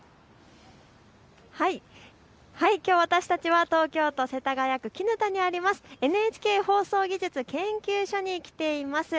きょう私たちは東京都世田谷区砧にあるＮＨＫ放送技術研究所に来ています。